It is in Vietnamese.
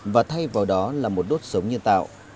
và thay vào đó là một đốt sống nhân tạo